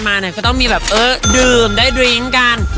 มาก็ต้องนึงได้ดื่มกัน